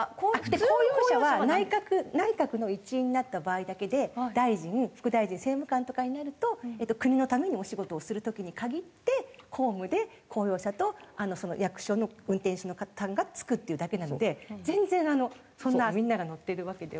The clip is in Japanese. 公用車は内閣内閣の一員になった場合だけで大臣副大臣政務官とかになると国のためにお仕事をする時に限って公務で公用車と役所の運転手の方が付くっていうだけなので全然そんなみんなが乗ってるわけでは。